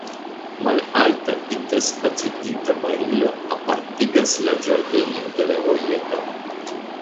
Malalta interspacigita barilo apartigas la ĝardenon de la vojeto.